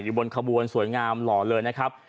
บนขบวนสวยงามหล่อเลยนะครับ